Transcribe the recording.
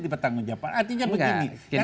di petanggung jepang artinya begini